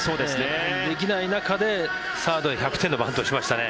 できない中で、サードへ１００点のバントをしましたね。